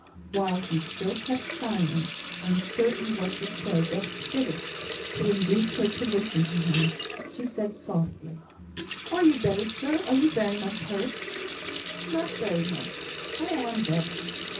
While he still kept silence, uncertain what to say best fitted to induce her to listen to him, she said softly: "Are you better, sir? are you very much hurt?" "Not very much; I am better.